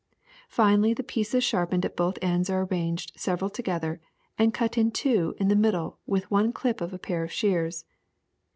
Finally the pieces sharpened at both ends are arranged several together and cut in two in the middle with one clip of a pair of shears.